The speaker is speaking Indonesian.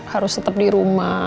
harus tetep di rumah